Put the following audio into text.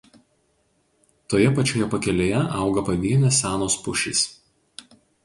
Toje pačioje pakelėje auga pavienės senos pušys.